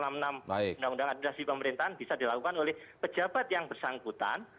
undang undang administrasi pemerintahan bisa dilakukan oleh pejabat yang bersangkutan